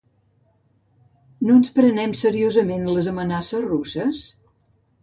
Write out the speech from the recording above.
No ens prenem seriosament les amenaces russes?